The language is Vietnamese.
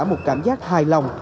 một cảm giác hài lòng